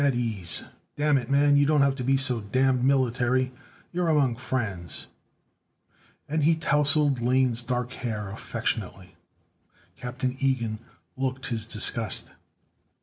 At ease! Damn it man, you don't have to be so damned military. You're among friends!" And he towseled Lane's dark hair affectionately. Captain Ilgen looked his disgust.